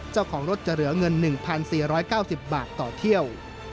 เจ้าของรถจะเหลือเงิน๑๔๙๐บาทต่อเที่ยว